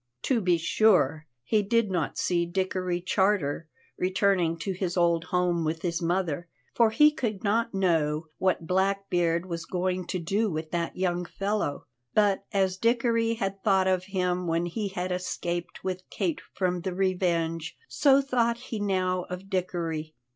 To be sure, he did not see Dickory Charter returning to his old home with his mother, for he could not know what Blackbeard was going to do with that young fellow; but as Dickory had thought of him when he had escaped with Kate from the Revenge, so thought he now of Dickory.